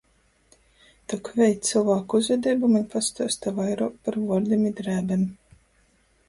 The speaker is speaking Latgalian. Tok, vei, cylvāku uzvedeiba maņ pastuosta vairuok par vuordim i drēbem.